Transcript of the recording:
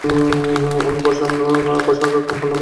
আমি প্রসারণক্ষম হলাম না কেন?